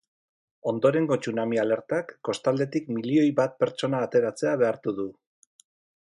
Ondorengo tsunami alertak kostaldetik milioi bat pertsona ateratzera behartu du.